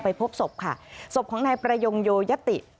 พบศพค่ะศพของนายประยงโยยะติ